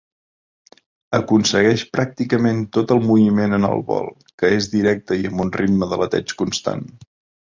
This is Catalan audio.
Aconsegueix pràcticament tot el moviment en el vol, que és directe i amb un ritme d'aleteig constant.